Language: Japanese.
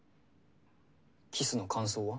キスの感想は？